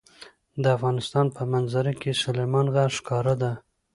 د افغانستان په منظره کې سلیمان غر ښکاره ده.